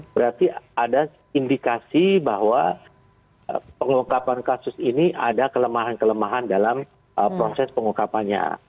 berarti ada indikasi bahwa pengungkapan kasus ini ada kelemahan kelemahan dalam proses pengungkapannya